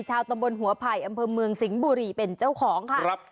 ชาวตำบลหัวไผ่อำเภอเมืองสิงห์บุรีเป็นเจ้าของค่ะครับ